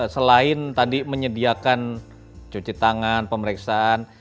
selain tadi menyediakan cuci tangan pemeriksaan